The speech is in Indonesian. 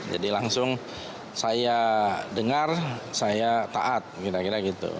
jadi langsung saya dengar saya taat kira kira gitu